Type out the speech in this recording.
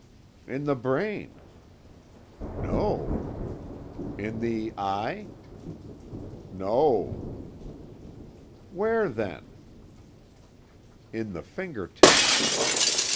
"In the brain." "No." "In the eye." "No." "Where, then?" "In the finger tips.